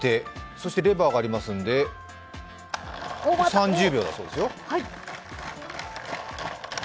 そしてレバーがありますんで３０秒だそうですよ。